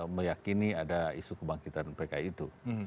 meyakini ada isu kebangkitan pki itu